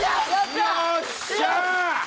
よっしゃあ！